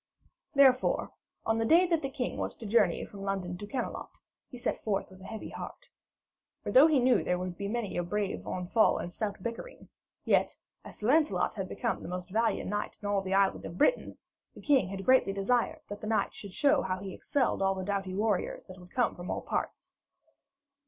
Therefore, on the day that the king was to journey from London to Camelot, he set forth with a heavy heart. For though he knew there would be many a brave onfall and stout bickering, yet, as Sir Lancelot had become the most valiant knight in all the island of Britain, the king had greatly desired that the knight should show how he excelled all the doughty warriors that would come from all parts.